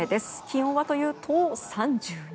気温はというと、３２度。